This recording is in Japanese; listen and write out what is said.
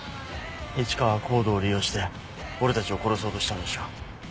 市川はＣＯＤＥを利用して俺たちを殺そうとしたんでしょう。